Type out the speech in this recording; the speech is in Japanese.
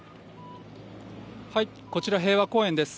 こちら平和公園です。